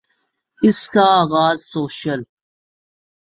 اس کا آغاز سوشل